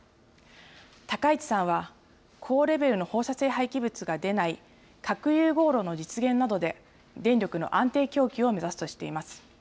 高市さんは、高レベルの放射性廃棄物が出ない核融合炉の実現などで電力の安定供給を目指すとしています。